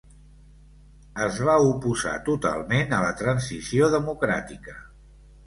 Es va oposar totalment a la transició democràtica.